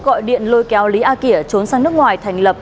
gọi điện lôi kéo lý a kỷ trốn sang nước ngoài thành lập